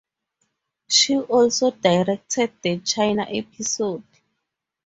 She also directed the China episode.